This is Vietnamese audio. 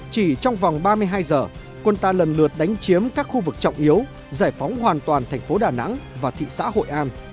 chỉ trong vòng ba mươi hai giờ quân ta lần lượt đánh chiếm các khu vực trọng yếu giải phóng hoàn toàn thành phố đà nẵng và thị xã hội an